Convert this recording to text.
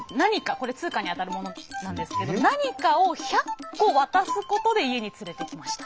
これ通貨に当たるものなんですけど何かを１００個渡すことで家に連れてきました。